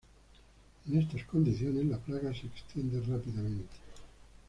En estas condiciones, la plaga se extiende rápidamente.